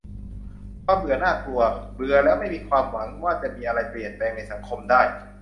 "ความเบื่อน่ากลัว เบื่อแล้วไม่มีความหวังว่าจะมีอะไรเปลี่ยนแปลงในสังคมได้"